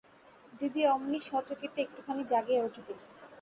দিদি অমনি সচকিতে একটুখানি জাগিয়া উঠিতেছে।